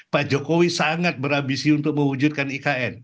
pak jokowi sangat berambisi untuk mewujudkan ikn